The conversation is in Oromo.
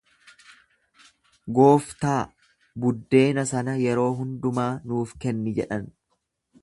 Gooftaa, buddeena sana yeroo hundumaa nuuf kenni jedhan.